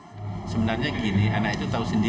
helmi memberi keluluasaan bagi anaknya untuk belajar sendiri